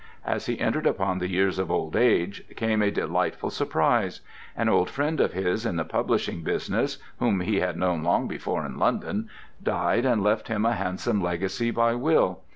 As he entered upon the years of old age, came a delightful surprise. An old friend of his in the publishing business, whom he had known long before in London, died and left him a handsome legacy by will.